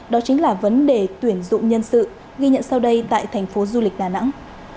đó chính là vấn đề tuyển dụng nhân sự ghi nhận sau đây tại thành phố du lịch đà nẵng